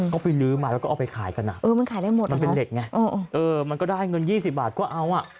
ก็ไปลื้อมาแล้วก็เอาไปขายกันมันเป็นเหล็กไงมันก็ได้เงิน๒๐บาทก็เอา